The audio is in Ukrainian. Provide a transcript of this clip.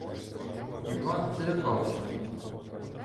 Іван "злякався”.